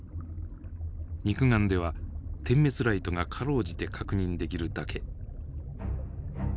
肉眼では点滅ライトが辛うじて確認できるだけ。